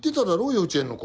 幼稚園の頃。